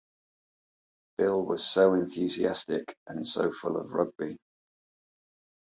Bill was so enthusiastic and so full of rugby.